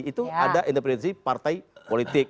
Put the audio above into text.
itu ada intervensi partai politik